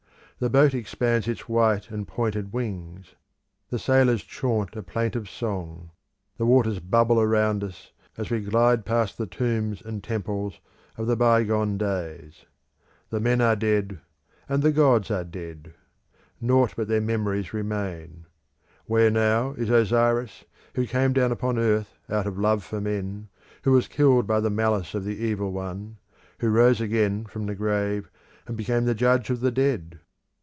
The boat expands its white and pointed wings; the sailors chaunt a plaintive song; the waters bubble around us as we glide past the tombs and temples of the by gone days. The men are dead, and the gods are dead. Nought but their memories remain. Where now is Osiris, who came down upon earth out of love for men, who was killed by the malice of the Evil One, who rose again from the grave, and became the Judge of the dead?